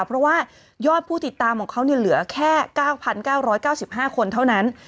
เพราะว่ายอดผู้ติดตามของเขาเหลือแค่๙๙๙๕คนเท่านั้น